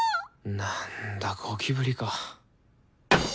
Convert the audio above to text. なんだゴキブリか。